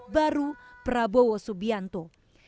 baru prabowo subianto